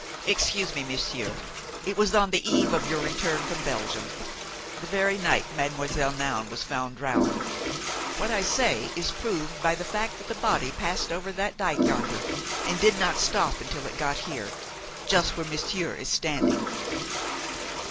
"Excuse me, monsieur, it was on the eve of your return from Belgium, the very night Mademoiselle Noun was found drowned; what I say is proved by the fact that the body passed over that dike yonder and did not stop until it got here, just where monsieur is standing."